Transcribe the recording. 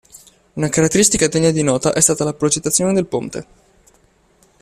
Una caratteristica degna di nota è stata la progettazione del ponte.